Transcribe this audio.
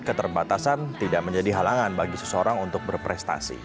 keterbatasan tidak menjadi halangan bagi seseorang untuk berprestasi